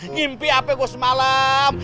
nyimpi apa gue semalam